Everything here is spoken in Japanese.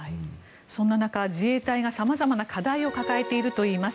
そんな中、自衛隊がさまざまな課題を抱えているといいます。